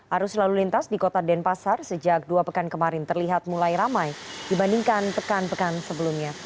arus lalu lintas di kota denpasar sejak dua pekan kemarin terlihat mulai ramai dibandingkan pekan pekan sebelumnya